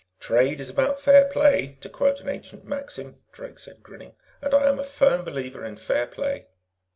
"Trade about is fair play, to quote an ancient maxim," Drake said, grinning. "And I am a firm believer in fair play.